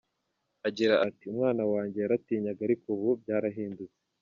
Agira ati “Umwana wanjye yaratinyaga ariko ubu byarahindutse.